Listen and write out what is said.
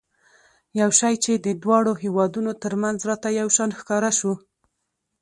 یو شی چې د دواړو هېوادونو ترمنځ راته یو شان ښکاره شو.